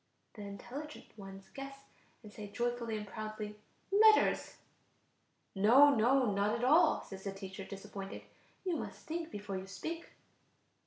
The intelligent ones guess, and say joyfully and proudly: "Letters." "No, no, not at all!" says the teacher, disappointed; "you must think before you speak."